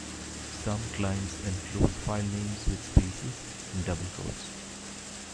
Some clients enclose filenames with spaces in double quotes.